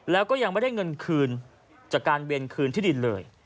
แล้วก็ยังไม่ได้เงินคืนจากการเวียนคืนที่ดินเลย